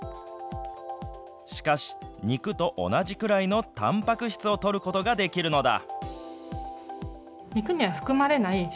しかし、肉と同じくらいのたんぱく質をとることができるのだ。